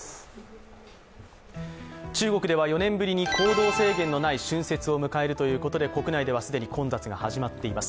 中国では４年ぶりに行動制限のない春節を迎えるということで国内では既に混雑が始まっています。